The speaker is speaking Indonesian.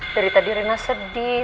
dari tadi rena sedih